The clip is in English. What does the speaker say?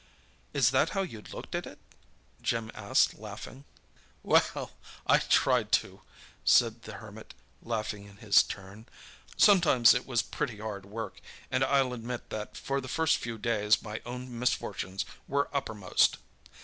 "Is that how you looked at it?" Jim asked, laughing. "Well—I tried to," said the Hermit, laughing in his turn. "Sometimes it was pretty hard work—and I'll admit that for the first few days my own misfortunes were uppermost."